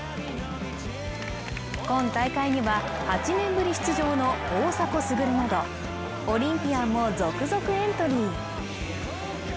今大会には８年ぶり出場の大迫傑などオリンピアンも続々エントリー。